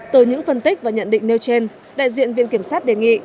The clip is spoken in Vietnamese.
từ những phân tích và nhận định nêu trên đại diện viện kiểm sát đề nghị